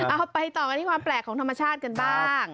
เอาไปต่อกันที่ความแปลกของธรรมชาติกันบ้าง